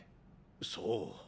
そう。